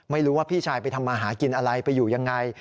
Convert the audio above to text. ไม่รู้ว่าพี่ชายไปทำมาหากินอะไรไปอยู่ยังไง